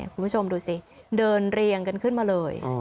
คุณผู้ชมดูสิเดินเรียงกันขึ้นมาเลย